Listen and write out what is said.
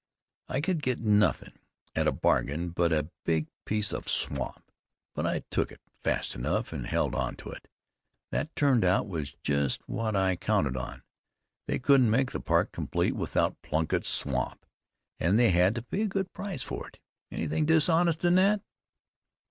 I could get nothin' at a bargain but a big piece of swamp, but I took it fast enough and held on to it. What turned out was just what I counted on. They couldn't make the park complete without Plunkitt's swamp, and they had to pay a good price for it. Anything dishonest in that?